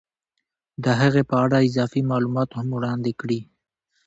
د هغې په اړه اضافي معلومات هم وړاندې کړي